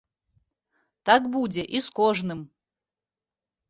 Так будзе і з кожным!